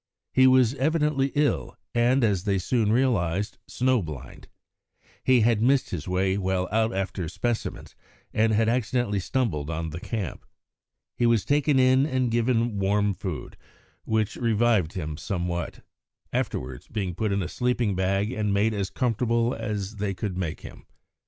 He was evidently ill, and, as they soon realised, snow blind. He had missed his way while out after specimens and had accidentally stumbled on the camp. He was taken in and given warm food, which revived him somewhat, afterwards being put in a sleeping bag and made as comfortable as they could make him.